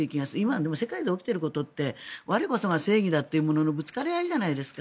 でも今、世界で起きていることって我こそは正義だというもののぶつかり合いじゃないですか。